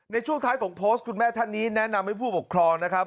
ในช่วงท้ายของโพสต์คุณแม่ท่านนี้แนะนำให้ผู้ปกครองนะครับ